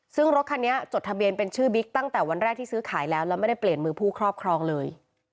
ซึ่งรถคันนี้จดทะเบียนเป็นชื่อบิ๊กตั้งแต่วันแรกที่ซื้อขายแล้วแล้วไม่ได้เปลี่ยนมือผู้ครอบครองเลย